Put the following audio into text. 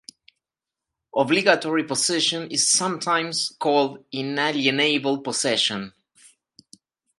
Obligatory possession is sometimes called inalienable possession.